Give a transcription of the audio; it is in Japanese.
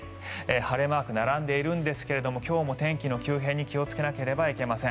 晴れマーク並んでいますが今日も天気の急変に気をつけなければいけません。